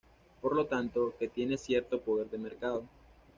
Por lo tanto, que tiene cierto poder de mercado.